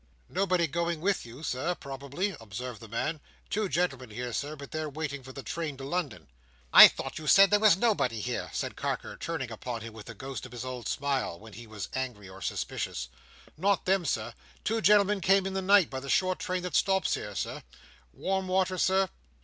"Nobody going with you, Sir, probably," observed the man. "Two gentlemen here, Sir, but they're waiting for the train to London." "I thought you said there was nobody here," said Carker, turning upon him with the ghost of his old smile, when he was angry or suspicious. "Not then, sir. Two gentlemen came in the night by the short train that stops here, Sir. Warm water, Sir?"